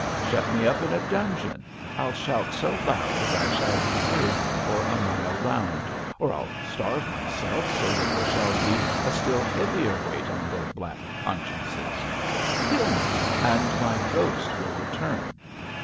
Shut me up in a dungeon I'll shout so loud that I shall be heard for a mile round, or I'll starve myself, so that there shall be a still heavier weight on their black consciences. Kill me and my ghost will return.